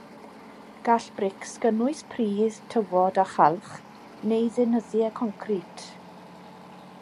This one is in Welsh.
Gall brics gynnwys pridd, tywod a chalch, neu ddeunyddiau concrit.